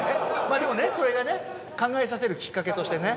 でもねそれがね考えさせるきっかけとしてね。